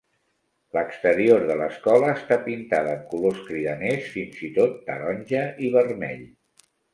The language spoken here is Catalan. L'exterior de l'escola està pintada amb colors cridaners, fins i tot taronja i vermell.